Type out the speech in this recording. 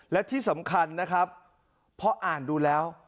และที่สำคัญนะครับพออ่านดูแล้ว